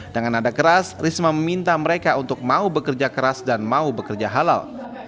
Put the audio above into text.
dengan nada keras risma meminta mereka untuk mau bekerja keras dan mau bekerja halal